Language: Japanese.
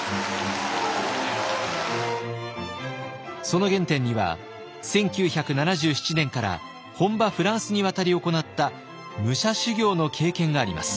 その原点には１９７７年から本場フランスに渡り行った武者修行の経験があります。